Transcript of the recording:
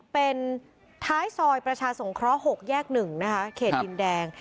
เป็นท้ายซอยประชาสงเคราะห์๖แยก๑นะคะเขตดินแดง